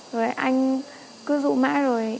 rồi anh cứ rụ mãi rồi